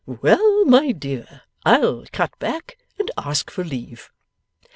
'Well, my dear, I'll cut back and ask for leave.